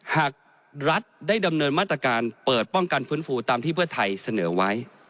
หากรัฐได้ดำเนินมาตรการเปิดป้องกันฟื้นฟูตามที่เพื่อไทยเสนอไว้